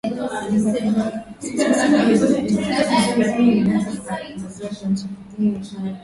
alikuwa akijihusisha sana na kamati ya masuala ya umma inayoheshimika sana nchini Malawilikiwa